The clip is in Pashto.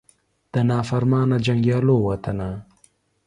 د نافرمانه جنګیالو وطنه